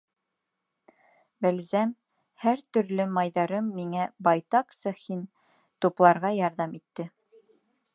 Бәлзәм, һәр төрлө майҙарым миңә байтаҡ цехин тупларға ярҙам итте.